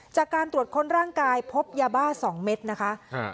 จากการตรวจค้นร่างกายพบยาบ้าสองเม็ดนะคะ